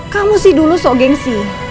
kamu sih dulu so gengsi